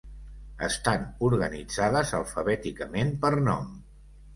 Estan organitzades alfabèticament per nom.